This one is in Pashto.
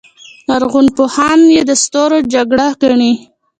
لرغونپوهان یې د ستورو جګړه ګڼي.